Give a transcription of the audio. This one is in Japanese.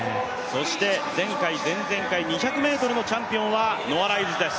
そして前回、前々回、２００ｍのチャンピオンはノア・ライルズです。